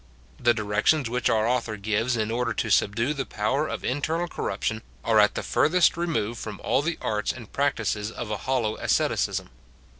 The directions which our author gives in order to subdue the power of internal corruption are at the furthest remove from all the arts and practices of a hollow asceticism.